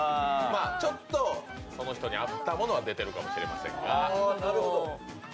ちょっとその人に合ったものが出てるかもしれません。